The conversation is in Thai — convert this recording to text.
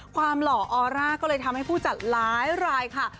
หล่อออร่าก็เลยทำให้ผู้จัดหลายรายค่ะ